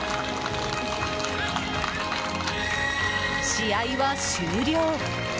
試合は終了。